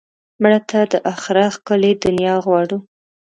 مړه ته د آخرت ښکلې دنیا غواړو